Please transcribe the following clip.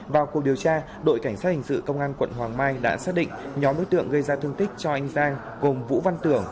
vào cuộc điều tra đội cảnh sát hình sự công an quận hoàng mai đã xác định nhóm đối tượng gây ra thương tích cho anh giang gồm vũ văn tưởng